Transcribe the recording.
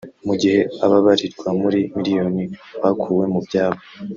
mu gihe ababarirwa muri miliyoni bakuwe mu byabo